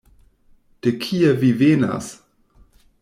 De kie vi venas?